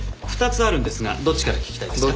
２つあるんですがどっちから聞きたいですか？